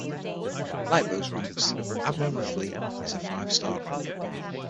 Like those ranks, admiral of the fleet is a five-star rank.